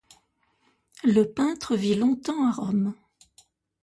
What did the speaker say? Le peintre vit longtemps à Rome.